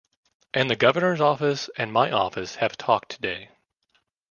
And the Governor’s Office and my office have talked today.